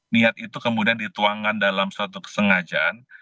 niat itu kemudian dituangkan dalam suatu kesengajaan